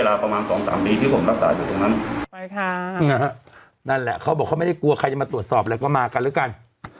เอาพักสักครู่เดี๋ยวก่อนหน้ากลับมาครับ